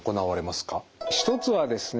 一つはですね